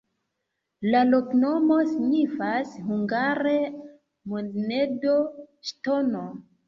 La loknomo signifas hungare: monedo-ŝtono.